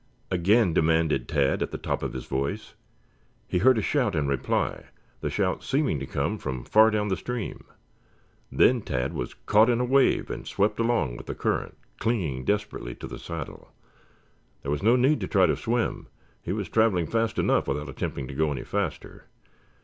again demanded Tad at the top of his voice. He heard a shout in reply, the shout seeming to come from far down the stream. Then Tad was caught in a wave and swept along with the current, clinging desperately to the saddle. There was no need to try to swim. He was traveling fast enough without attempting to go any faster.